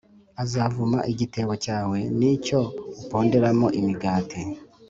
Azavuma igitebo cyawe n’icyo uponderamo imigati. “